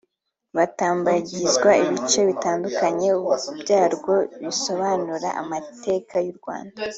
batambagizwa ibice bitandukanye byarwo bisobanura amateka y’u Rwanda